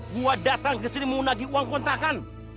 saya datang ke sini mengunangi uang kontrakan